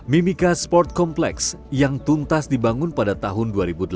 mimika sport complex yang tuntas dibangun pada tahun dua ribu delapan belas